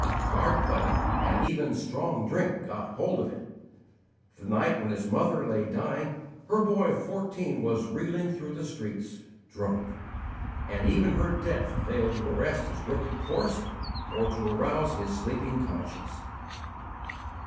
Card playing and even strong drink got hold of him. The night when his mother lay dying, her boy of fourteen was reeling through the streets, drunk; and even her death failed to arrest his wicked course or to arouse his sleeping conscience.